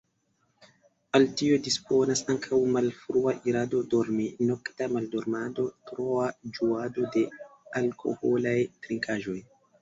Al tio disponas ankaŭ malfrua irado dormi, nokta maldormado, troa ĝuado de alkoholaj trinkaĵoj.